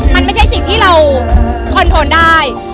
มันไม่ใช่สิ่งที่เราคอนโทนได้